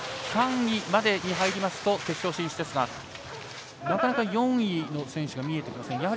３位までに入りますと決勝進出ですがなかなか４位の選手が見えてきません。